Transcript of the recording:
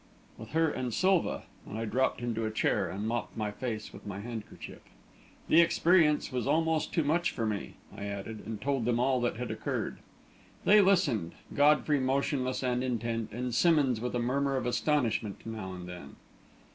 "With her and Silva," and I dropped into a chair and mopped my face with my handkerchief. "The experience was almost too much for me," I added, and told them all that had occurred. They listened, Godfrey motionless and intent, and Simmonds with a murmur of astonishment now and then.